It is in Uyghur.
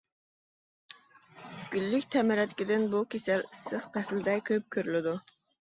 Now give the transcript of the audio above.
گۈللۈك تەمرەتكىدىن بۇ كېسەل ئىسسىق پەسىلدە كۆپ كۆرۈلىدۇ.